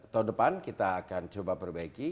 tahun depan kita akan coba perbaiki